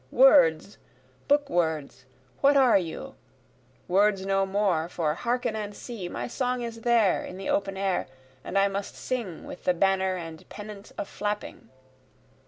Words! book words! what are you? Words no more, for hearken and see, My song is there in the open air, and I must sing, With the banner and pennant a flapping.